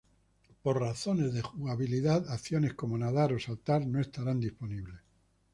Por razones de jugabilidad, acciones como nadar o saltar no estarán disponibles.